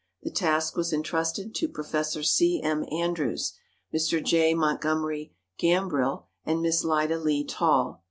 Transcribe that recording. The task was intrusted to Prof. C. M. Andrews, Mr. J. Montgomery Gambrill and Miss Lida Lee Tall.